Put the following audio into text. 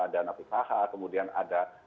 dana pkh kemudian ada